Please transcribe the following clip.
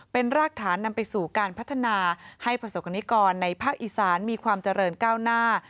เป็นรากฐานนำไปสู่การพัฒนาให้ประสบกรณิกรในภาคอีสานมีความเจริญก้าวหน้า